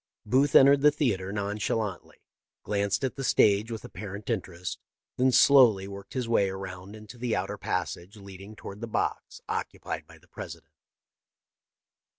" Booth entered the theatre nonchalantly, glanced at the stage with apparent interest, then slowly worked his way around into the outer passage lead ing toward the box occupied by the President.